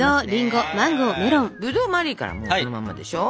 ぶどうは丸いからそのまんまでしょ。